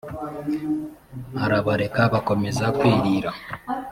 arabareka bakomeza kwirira